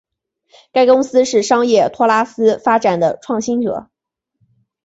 该公司是商业托拉斯发展的创新者。